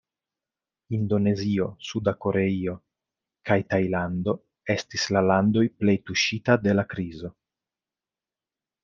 Indonezio, Suda Koreio, kaj Tajlando estis la landoj plej tuŝitaj dela krizo.